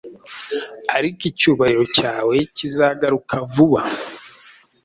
Ariko icyubahiro cyawe kizagaruka vuba